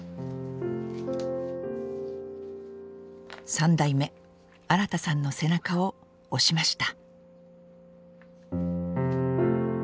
３代目・新さんの背中を押しました。